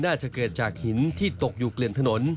น่าจะเกิดจากหินที่ตกอยู่เกลื่อนถนน